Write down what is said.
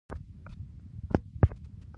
غوښې د افغانستان په ستراتیژیک اهمیت کې رول لري.